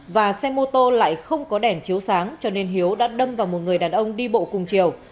và xe mô tô lại không có đèn chiếu sáng cho nên hiếu đã đâm vào một người đàn ông đi bộ cùng chiều